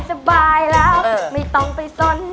สับสมุหมูเป็นผงหมดละนะ